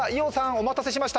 お待たせしました